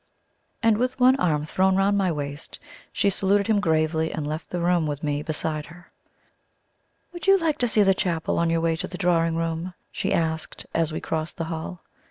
And with one arm thrown round my waist, she saluted him gravely, and left the room with me beside her. "Would you like to see the chapel on your way to the drawing room?" she asked, as we crossed the hall.